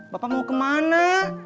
bapak mau kemana